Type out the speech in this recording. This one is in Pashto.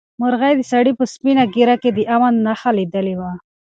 مرغۍ د سړي په سپینه ږیره کې د امن نښه لیدلې وه.